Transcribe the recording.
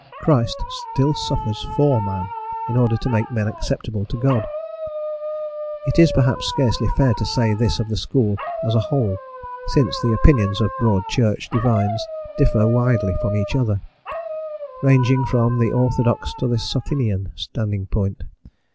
Christ still suffers for man, in order to make men acceptable to God. It is, perhaps, scarcely fair to say this of the school as a whole, since the opinions of Broad Church divines differ widely from each other, ranging from the orthodox to the Socinian standing point.